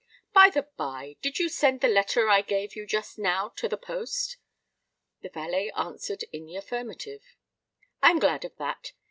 "By the by, did you send the letter I gave you just now to the post?" The valet answered in the affirmative. "I am glad of that.